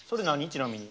ちなみに。